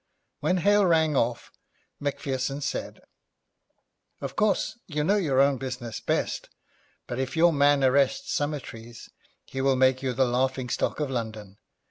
When Hale rang off, Macpherson said, 'Of course you know your own business best, but if your man arrests Summertrees, he will make you the laughing stock of London.